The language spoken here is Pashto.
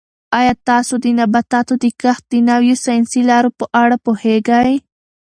آیا تاسو د نباتاتو د کښت د نویو ساینسي لارو په اړه پوهېږئ؟